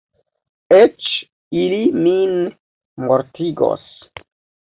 Eĉ ili min mortigos.